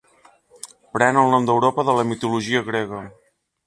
Pren el nom d'Europa de la mitologia grega.